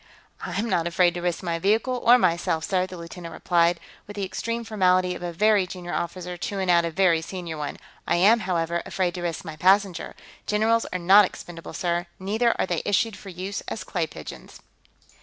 "I am not afraid to risk my vehicle, or myself, sir," the lieutenant replied, with the extreme formality of a very junior officer chewing out a very senior one. "I am, however, afraid to risk my passenger. Generals are not expendable, sir; neither are they issued for use as clay pigeons."